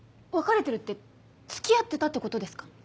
「別れてる」って付き合ってたってことですか？